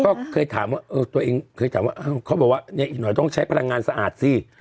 ก็เคยถามว่าตัวเองเคยถามว่าเขาบอกว่าเนี่ยอีกหน่อยต้องใช้พลังงานสะอาดสิ